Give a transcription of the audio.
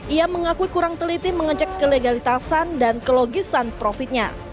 ia mengaku kurang teliti mengecek kelegalitasan dan kelogisan profitnya